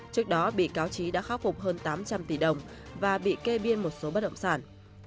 trước đó bị cáo trí đã khắc phục hơn tám trăm linh tỷ đồng và bị kê biên một số bất động sản